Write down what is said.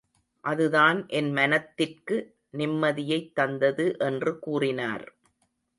அதுதான் என் மனத்திற்கு நிம்மதியைத் தந்தது என்று கூறினார்.